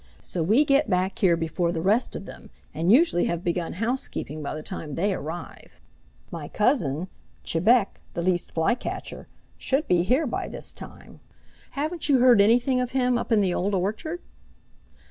So we get back here before the rest of them, and usually have begun housekeeping by the time they arrive. My cousin, Chebec the Least Flycatcher, should be here by this time. Haven't you heard anything of him up in the Old Orchard?"